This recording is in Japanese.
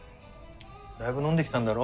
だいぶ飲んできたんだろ？